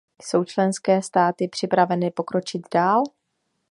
Jsou členské státy připraveny pokročit dál?